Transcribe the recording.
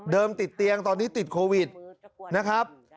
ติดเตียงตอนนี้ติดโควิดนะครับ